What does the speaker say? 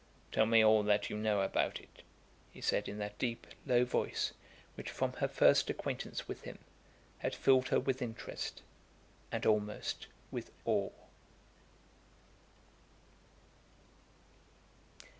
"Tell me all that you know about it," he said, in that deep, low voice which, from her first acquaintance with him, had filled her with interest, and almost with awe.